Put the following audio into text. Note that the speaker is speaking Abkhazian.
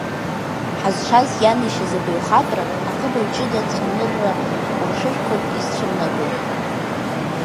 Ҳазшаз ианеишьаз абаҩхатәра, аҟыбаҩ ҷыда цәанырра ҟәымшәышәқәак изцәырнагон.